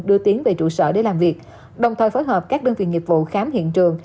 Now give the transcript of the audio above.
đưa tiến về trụ sở để làm việc đồng thời phối hợp các đơn vị nghiệp vụ khám hiện trường